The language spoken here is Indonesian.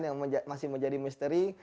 yang masih menjadi misteri